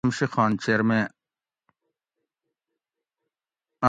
آم مئی شمشی خان چئیرمین